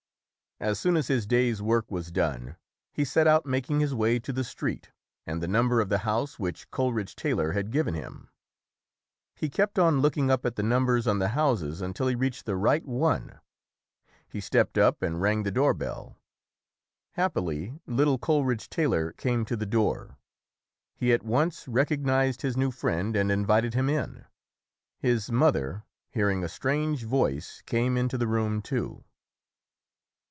As soon as his day's work was done, he set out making his way to the street and the number of the house which Coleridge Taylor had given him. He kept on looking up at the numbers on the houses until he reached the right one. He stepped up and rang the door bell. Happily little Coleridge Taylor came to the door; he at once recognized his new friend and invited him in. His mother, hearing a strange voice, came into the room, too.